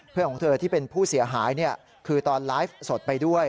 ของเธอที่เป็นผู้เสียหายคือตอนไลฟ์สดไปด้วย